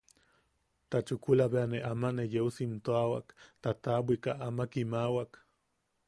Ta chukula be ne ama ne yeu siimtuawak tataʼabwika ama kiimawak.